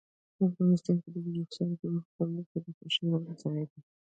افغانستان کې بدخشان د خلکو د خوښې وړ ځای دی.